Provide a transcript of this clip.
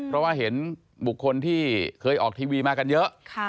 เพราะว่าเห็นบุคคลที่เคยออกทีวีมากันเยอะ